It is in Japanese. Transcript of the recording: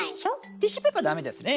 ティッシュペーパーダメですね。